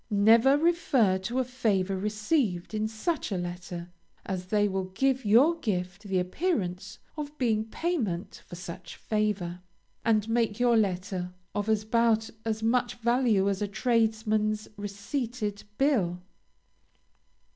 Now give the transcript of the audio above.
Never refer to a favor received, in such a letter, as that will give your gift the appearance of being payment for such favor, and make your letter of about as much value as a tradesman's receipted bill.